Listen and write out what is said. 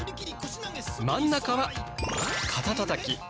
真ん中は「肩たたき」。